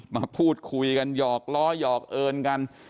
มาพูดคุยกันหยอกล้อหยอกเอิญกัน